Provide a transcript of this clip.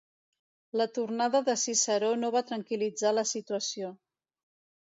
La tornada de Ciceró no va tranquil·litzar la situació.